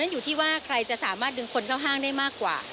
อยู่ที่ว่าใครจะสามารถดึงคนเข้าห้างได้มากกว่า